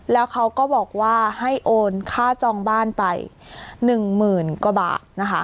แล้วเขาก็บอกว่าให้โอนค่าจองบ้านไป๑หมื่นกว่าบาทนะคะ